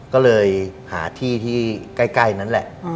ก็เลยหาที่ที่ใกล้นั่นแหละ